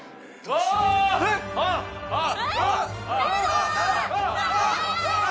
あっ！